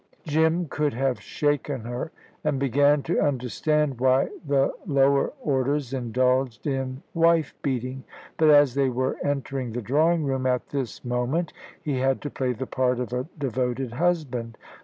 Jim could have shaken her, and began to understand why the lower orders indulged in wife beating. But as they were entering the drawing room at this moment, he had to play the part of a devoted husband.